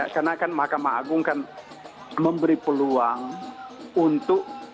karena kan mahkamah agung kan memberi peluang untuk